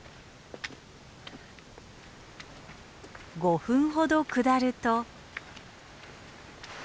５分ほど下ると。